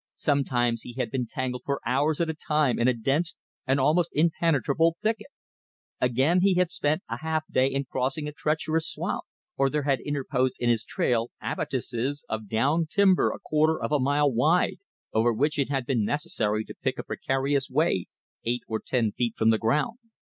Sometimes he had been tangled for hours at a time in a dense and almost impenetrable thicket. Again he had spent a half day in crossing a treacherous swamp. Or there had interposed in his trail abattises of down timber a quarter of a mile wide over which it had been necessary to pick a precarious way eight or ten feet from the ground.